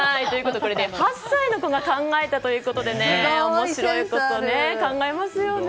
８歳の子が考えたということで考えますよね。